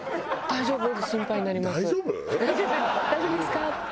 「大丈夫ですか？」。